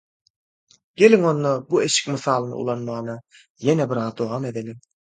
Geliň onda bu eşik mysalyny ulanmana ýene biraz dowam edeliň.